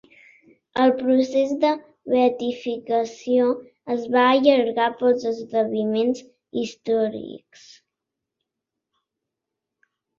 El procés de beatificació es va allargar pels esdeveniments històrics.